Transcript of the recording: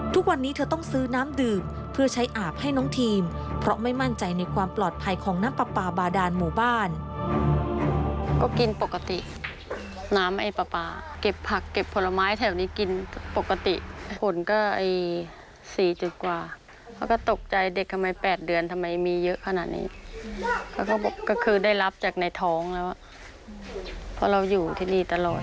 ทุกวันนี้เธอต้องซื้อน้ำดื่มเพื่อใช้อาบให้น้องทีมเพราะไม่มั่นใจในความปลอดภัยของน้ำปลาปลาบาดานหมู่บ้าน